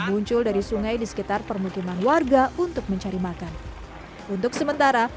muncul dari sungai di sekitar permukiman warga untuk mencari makan untuk sementara